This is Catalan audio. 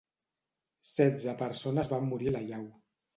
Setze persones van morir a l'allau.